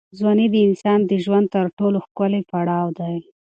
ځواني د انسان د ژوند تر ټولو ښکلی پړاو دی.